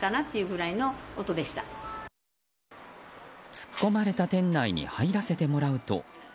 突っ込まれた店内に入らせてもらうと。